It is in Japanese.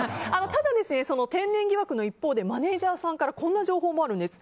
ただ天然疑惑の一方でマネジャーさんからこんな情報もあるんです。